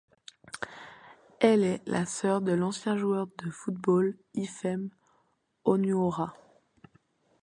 Elle est la sœur de l'ancien joueur de football Ifem Onuora.